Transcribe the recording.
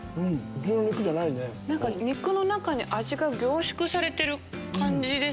肉の中に味が凝縮されてる感じ。